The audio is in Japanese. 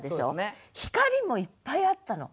「光」もいっぱいあったの。